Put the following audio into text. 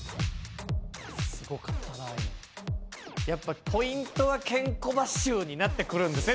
やっぱポイントはケンコバ臭になってくるんですね。